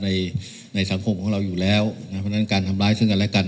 ในในสังคมของเราอยู่แล้วเพราะฉะนั้นการทำร้ายสึกสถานการณ์